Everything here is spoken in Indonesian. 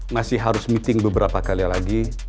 masih harus meeting beberapa kali lagi